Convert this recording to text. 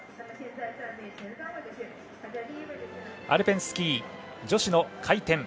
アルペンスキー女子の回転